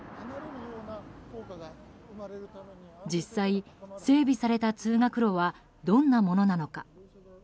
実際、整備された通学路はどんなものなのか。